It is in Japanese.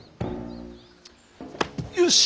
よし！